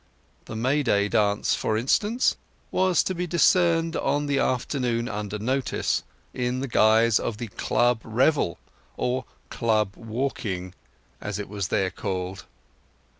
The May Day dance, for instance, was to be discerned on the afternoon under notice, in the guise of the club revel, or "club walking," as it was there called.